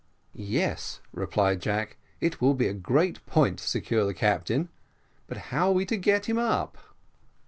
"Yes," replied Jack, "it will be a great point to secure the captain but how are we to get him up?"